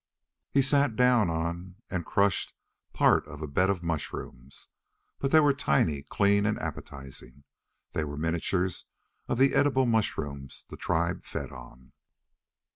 He sat down on and crushed part of a bed of mushrooms. But they were tiny, clean, and appetizing. They were miniatures of the edible mushrooms the tribe fed on.